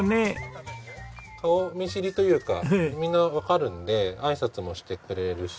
顔見知りというかみんなわかるのであいさつもしてくれるし。